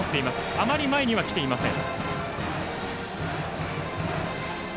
あまり前には来ていません。